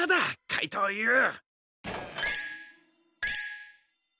かいとうＵ。